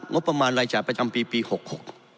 งบประมาณรายจ่ายประจำปีปีหกหก